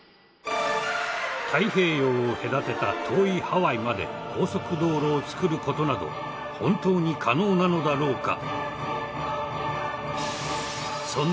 太平洋を隔てた遠いハワイまで高速道路を造る事など本当に可能なのだろうか？